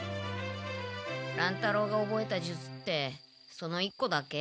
乱太郎がおぼえた術ってその１個だけ？